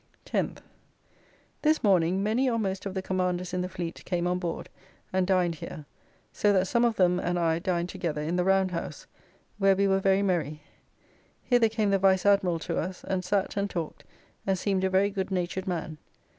10th. This morning many or most of the commanders in the Fleet came on board and dined here, so that some of them and I dined together in the Round house, where we were very merry. Hither came the Vice Admiral to us, and sat and talked and seemed a very good natured man.